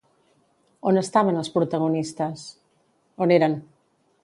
On estaven els protagonistes?